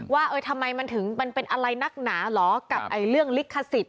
ว่าทำไมมันถึงมันเป็นอะไรนักหนาเหรอกับเรื่องลิขสิทธิ